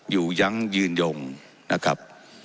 อยู่ยังยืนยงนะครับ